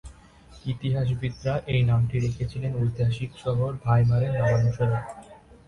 ইতিহাসবিদরা এই নামটি রেখেছিলেন ঐতিহাসিক শহর ভাইমার-এর নামানুসারে।